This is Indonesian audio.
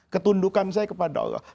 ketundukan saya kepada allah